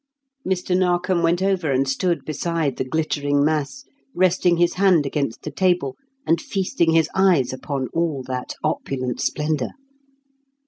Mr. Narkom went over and stood beside the glittering mass, resting his hand against the table and feasting his eyes upon all that opulent splendour.